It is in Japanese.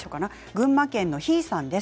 群馬県の方からです。